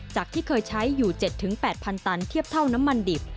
ที่เคยใช้อยู่๗๘๐๐ตันเทียบเท่าน้ำมันดิบ